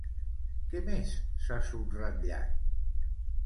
Què més s'ha subratllat?